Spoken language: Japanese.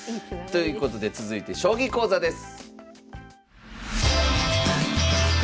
ということで続いて将棋講座です。